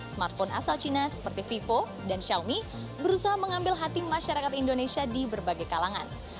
smartphone asal cina seperti vivo dan xiaomi berusaha mengambil hati masyarakat indonesia di berbagai kalangan